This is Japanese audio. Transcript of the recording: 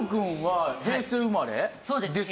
そうです。